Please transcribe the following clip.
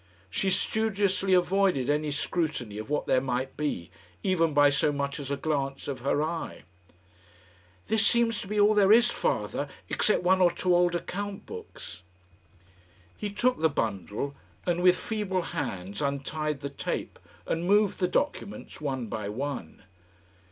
She studiously avoided any scrutiny of what there might be, even by so much as a glance of her eye. "This seems to be all there is, father, except one or two old account books." He took the bundle, and with feeble hands untied the tape and moved the documents, one by one.